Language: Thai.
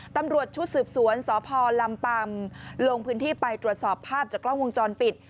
ตำรวจชุดสืบสวนสพลำปำลงพื้นที่ไปตรวจสอบภาพจากกล้องวงจรปิด